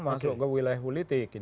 masuk ke wilayah politik